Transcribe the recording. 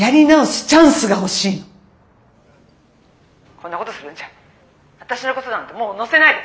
こんなことするんじゃ私のことなんてもう載せないで！